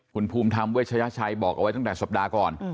คุณภูมิธรรมเวชยชัยบอกเอาไว้ตั้งแต่สัปดาห์ก่อน